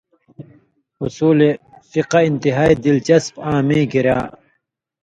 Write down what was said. اصول فقہ انتہائی دلچسپ آں میں کِریا